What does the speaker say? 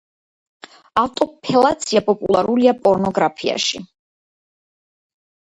ავტოფელაცია პოპულარულია პორნოგრაფიაში.